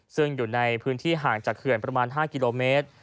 ซึ่งอยู่ในพื้นที่ห่างจากเขื่อนประมาณ๕กิโลเมตร